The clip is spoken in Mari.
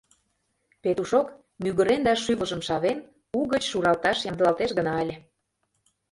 Петушок, мӱгырен да шӱвылжым шавен, угыч шуралташ ямдылалтеш гына ыле